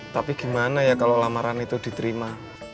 tapi gimana ya kalau lamaran itu diterima